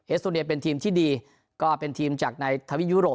สตูเนียเป็นทีมที่ดีก็เป็นทีมจากในทวิปยุโรป